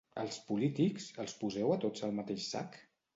Els polítics, els poseu a tots al mateix sac?